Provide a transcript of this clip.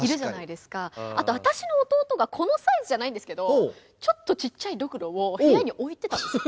あと私の弟がこのサイズじゃないんですけどちょっとちっちゃいドクロを部屋に置いてたんですよ。